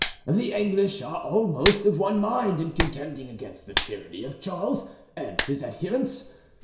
The English are almost of one mind in contending against the tyranny of Charles and his adherents.